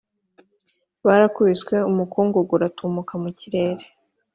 barakubiswe umukungugu uratumuka mu kirere